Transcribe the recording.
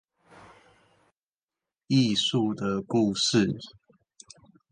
藝術的故事